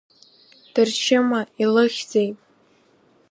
Дыршьыма, илыхьзеи?